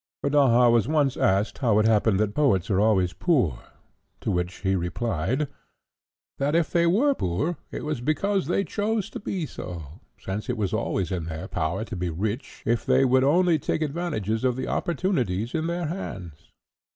Rodaja was once asked how it happened that poets are always poor; to which he replied, "That if they were poor, it was because they chose to be so, since it was always in their power to be rich if they would only take advantage of the opportunities in their hands.